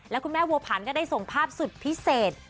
แล้วคุณแม่บัวผันก็ได้ส่งภาพสุดพิเศษ